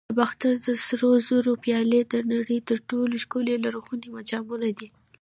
د باختر د سرو زرو پیالې د نړۍ تر ټولو ښکلي لرغوني جامونه دي